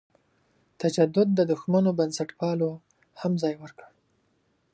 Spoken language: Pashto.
تجدد دښمنو بنسټپالو هم ځای ورکړ.